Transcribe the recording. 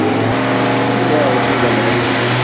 Yella Rebbi d amεiwen.